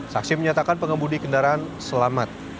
saksi menyatakan pengemudi kendaraan selamat